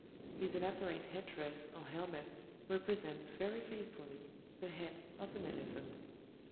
His elaborate head dress or helmet represents very faithfully the head of an elephant.